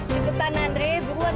cepetan andre berbual